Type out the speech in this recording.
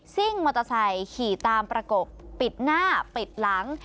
ซิ่งมอเตอร์ไซค์ขี่ตามประกบปิดหน้าปิดหลัง